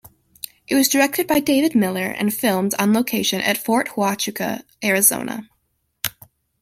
It was directed by David Miller and filmed on location at Fort Huachuca, Arizona.